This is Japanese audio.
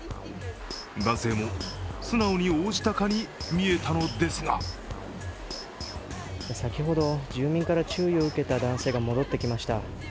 男性も素直に応じたかに見えたのですが先ほど、住民から注意を受けた男性が戻ってきました。